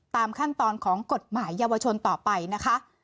ตามขั้นตอนของกฎหมายเยาวชนต่อไปนะคะ